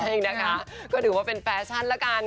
จริงนะคะก็ถือว่าเป็นแฟชั่นละกัน